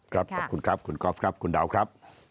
ขอบคุณครับคุณกรอฟคุณดาวครับ